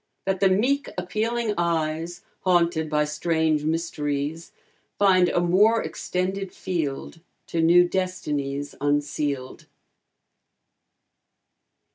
That the meek appealing eyes Haunted by strange mysteries, Find a more extended field, To new destinies unsealed?